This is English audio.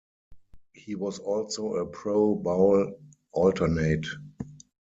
He was also a Pro Bowl alternate.